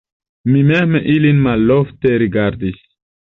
Mi mem ilin malofte rigardis.